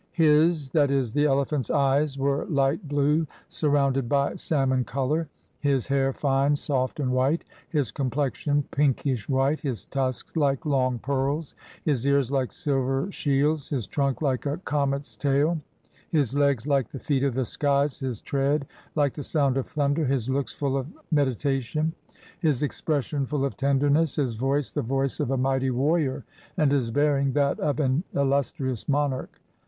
" His [that is, the elephant's] eyes were light blue, surrounded by salmon color; his hair fine, soft, and white; his complexion pinkish white; his tusks like long pearls; his ears Hke silver shields; his trunk like a comet's tail; his legs like the feet of the skies; his tread like the sound of thunder; his looks full of meditation; his expression full of tenderness; his voice the voice of a mighty warrior; and his bearing that of an illustrious monarch."